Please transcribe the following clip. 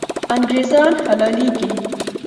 انګریزان حلالېږي.